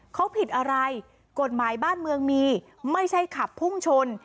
เขาผิดอะไรกฎหมายบ้านเมืองมีไม่ใช่ขับพุ่งชน